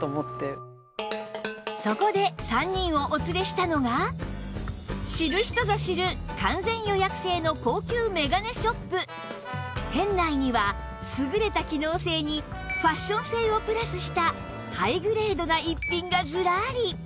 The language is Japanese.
そこで知る人ぞ知る店内には優れた機能性にファッション性をプラスしたハイグレードな逸品がずらり